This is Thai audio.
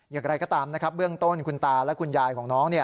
อย่างไรก็ตามนะครับเบื้องต้นคุณตาและคุณยายของน้อง